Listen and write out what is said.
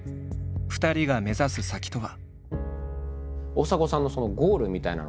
２人が目指す先とは。